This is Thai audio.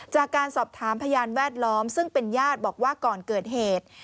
จากการสอบถามพยานแวดล้อมซึ่งเป็นญาติบอกว่าก่อนเกิดเหตุ